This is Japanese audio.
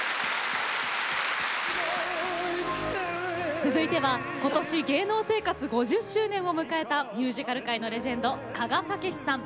続いては今年、芸能生活５０周年を迎えたミュージカル界のレジェンド鹿賀丈史さん。